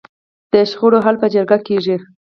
د شخړو حل په جرګه کیږي؟